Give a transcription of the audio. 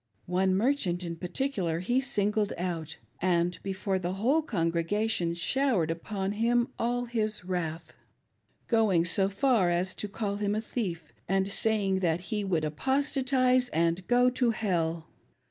One merchant in particular he singled out, and before the whole congregation, showered upon him all his wrath — going so far as to call him a thief, and saying that he " would apostatise and go to hell."